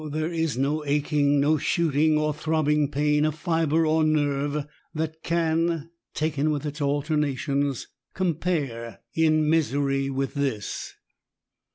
there is no aching, no shooting or throbbing pain of fibre or nerve that can (taken with its alternations) compare in 168 ESSAYS. misery with this